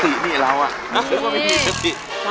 มีสติพี่เราน่ะน่าจะไม่มีสติ